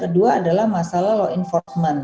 kedua adalah masalah law enforcement